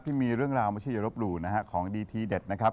ที่มีเรื่องราวไม่ใช่อย่ารบหลู่นะฮะของดีทีเด็ดนะครับ